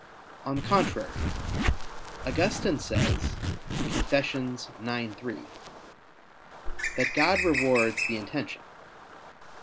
On the contrary, Augustine says (Confess. ix, 3) that God rewards the intention.